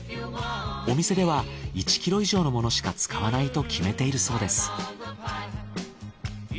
お店では１ｋｇ以上のものしか使わないと決めているそうです。